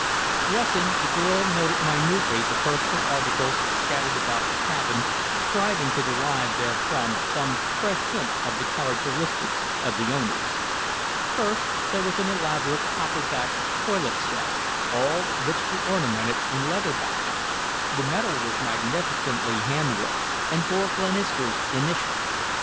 Dressing, the girl noted minutely the personal articles scattered about the cabin, striving to derive therefrom some fresh hint of the characteristics of the owners. First, there was an elaborate, copper backed toilet set, all richly ornamented and leather bound. The metal was magnificently hand worked and bore Glenister's initial.